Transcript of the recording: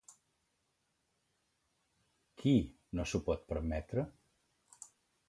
Qui, no s'ho pot permetre?